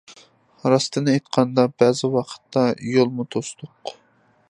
راستىنى ئېيتقاندا، بەزى ۋاقىتتا يولمۇ توستۇق.